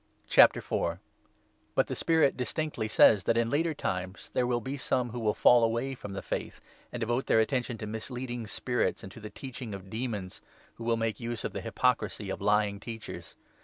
But the Spirit distinctly says that in later times i ^ On Dealing there will be some who will fall away from the *Te»cher8e F^th, and devote their attention to misleading spirits, and to the teaching of demons, who 2 will make use of the hypocrisy *of lying teachers.